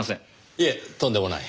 いえとんでもない。